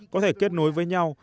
có thể kết nối với nhau